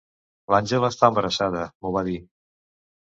L'Angela està embarassada, m'ho va dir.